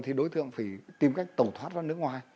thì đối tượng phải tìm cách tẩu thoát ra nước ngoài